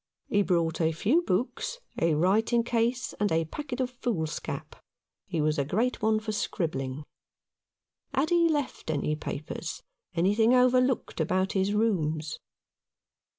He brought a few books, a writing case, and a packet of foolscap. He was a great one for scribbling. Had he left any papers — anything overlooked about his rooms